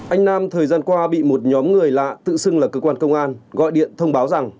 anh nam thời gian qua bị một nhóm người lạ tự xưng là cơ quan công an gọi điện thông báo rằng